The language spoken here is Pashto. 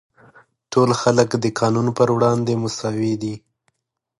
ټول خلک د قانون پر وړاندې مساوي دي.